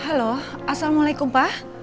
halo assalamualaikum pak